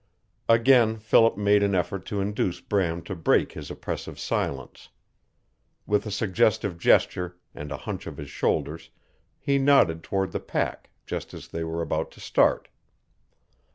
Again Philip made an effort to induce Bram to break his oppressive silence. With a suggestive gesture and a hunch of his shoulders he nodded toward the pack, just as they were about to start.